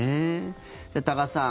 多賀さん